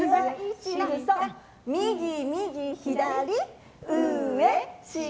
右右右、左、上下！